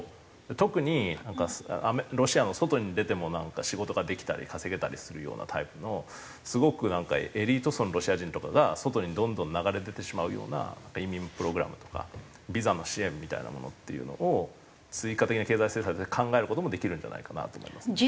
特にロシアの外に出てもなんか仕事ができたり稼げたりするようなタイプのすごくなんかエリート層のロシア人とかが外にどんどん流れ出てしまうような移民プログラムとかビザの支援みたいなものっていうのを追加的な経済政策で考える事もできるんじゃないかなと思いますね。